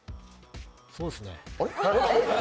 そうですね。